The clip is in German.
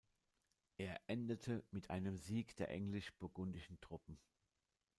Er endete mit einem Sieg der englisch-burgundischen Truppen.